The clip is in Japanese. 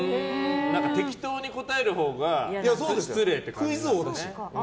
適当に答えるほうが失礼って感じですよね。